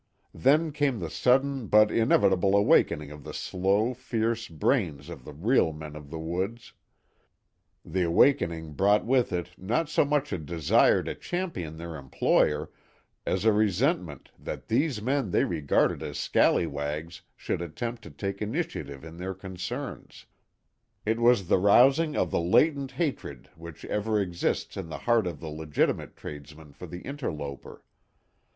Then came the sudden but inevitable awakening of the slow, fierce brains of the real men of the woods. The awakening brought with it not so much a desire to champion their employer, as a resentment that these men they regarded as scallywags should attempt to take initiative in their concerns; it was the rousing of the latent hatred which ever exists in the heart of the legitimate tradesman for the interloper.